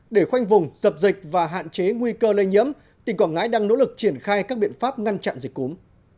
để khoanh vùng dập dịch và hạn chế nguy cơ lây nhiễm tỉnh quảng ngãi đang nỗ lực triển khai các biện pháp ngăn chặn dịch cúm